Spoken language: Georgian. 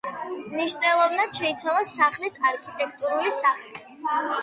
მნიშვნელოვნად შეიცვალა სახლის არქიტექტურული სახე.